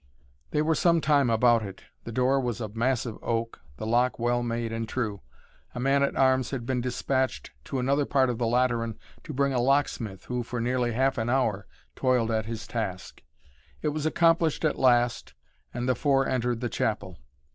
They were some time about it. The door was of massive oak, the lock well made and true. A man at arms had been despatched to another part of the Lateran to bring a locksmith who, for nearly half an hour, toiled at his task. It was accomplished at last and the four entered the chapel.